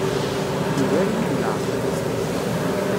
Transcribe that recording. Yugar-iyi deg leɛmeṛ.